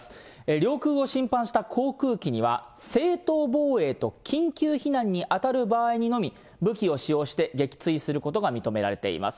領空を侵犯した航空機には、正当防衛と緊急避難に当たる場合にのみ、武器を使用して撃墜することが認められています。